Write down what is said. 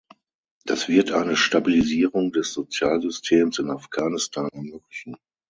Das wird eine Stabilisierung des Sozialsystems in Afghanistan ermöglichen.